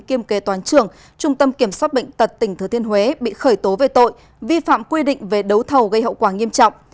kiêm kế toán trưởng trung tâm kiểm soát bệnh tật tỉnh thừa thiên huế bị khởi tố về tội vi phạm quy định về đấu thầu gây hậu quả nghiêm trọng